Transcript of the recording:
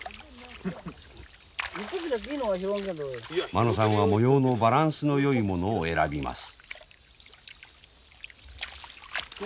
間野さんは模様のバランスのよいものを選びます。